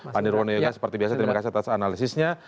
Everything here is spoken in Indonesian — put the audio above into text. pandir wonyoga seperti biasa terima kasih atas analisisnya